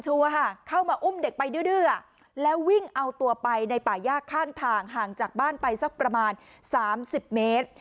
เข้ามาอุ้มเด็กไปดื้อแล้ววิ่งเอาตัวไปในป่าย่าข้างทางห่างจากบ้านไปสักประมาณ๓๐เมตร